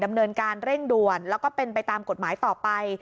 ดำเนินการเร่งด่วนแล้วก็เป็นไปตามกฎหมายต่อไป